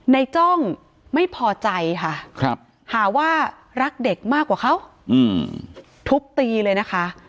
จ้องไม่พอใจค่ะหาว่ารักเด็กมากกว่าเขาทุบตีเลยนะคะ